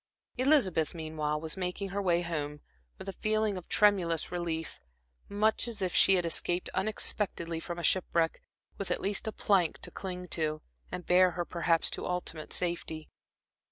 Elizabeth, meanwhile, was making her way home, with a feeling of tremulous relief, much as if she had escaped unexpectedly from shipwreck, with at least a plank to cling to, and bear her perhaps to ultimate safety.